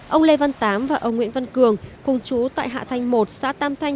ông lê văn tám và ông nguyễn văn cường cùng chú tại hạ thanh một xã tam thanh